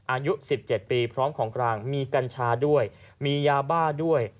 อายุ๑๗ปีพร้อมของกลางมีกัญชาด้วยมียาบ้าด้วย